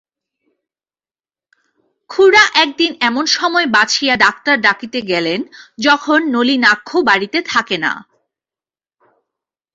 খুড়া একদিন এমন সময় বাছিয়া ডাক্তার ডাকিতে গেলেন যখন নলিনাক্ষ বাড়িতে থাকে না।